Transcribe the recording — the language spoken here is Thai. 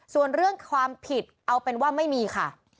ส่วนเรื่องความผิดเอาเป็นว่าไม่มีค่ะ